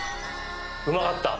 うまかった。